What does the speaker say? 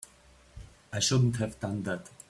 I shouldn't have done that.